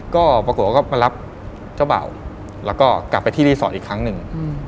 ก็ปรากฏว่าก็มารับเจ้าเบ่าแล้วก็กลับไปที่รีสอร์ทอีกครั้งหนึ่ง